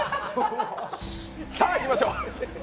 さぁ、いきましょう。